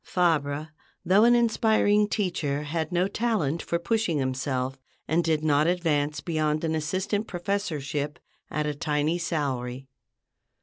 '" Fabre, though an inspiring teacher, had no talent for pushing himself, and did not advance beyond an assistant professorship at a tiny salary.